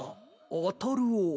あたるを。